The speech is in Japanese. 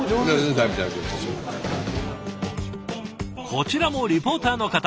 こちらもリポーターの方。